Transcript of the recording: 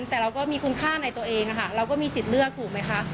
แต่เราก็มีคุณค่าในตัวเองเราก็มีสิทธิ์เลือกถูกไหมคะ